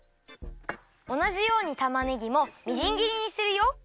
おなじようにたまねぎもみじんぎりにするよ。